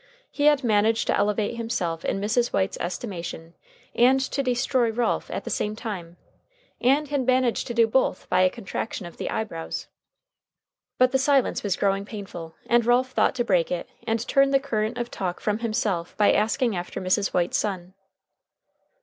He had managed to elevate himself in Mrs. White's estimation and to destroy Ralph at the same time, and had managed to do both by a contraction of the eyebrows! But the silence was growing painful and Ralph thought to break it and turn the current of talk from himself by asking after Mrs. White's son.